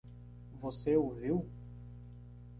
Você o viu?